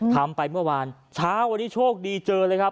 ทำไปเมื่อวานเช้าวันนี้โชคดีเจอเลยครับ